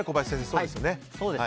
そうですね。